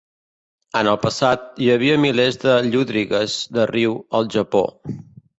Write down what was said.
En el passat, hi havia milers de llúdrigues de riu al Japó.